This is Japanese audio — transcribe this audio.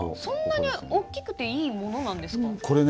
そんなに大きくていいものなんですか。